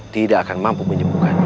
tidak akan mampu menyembuhkannya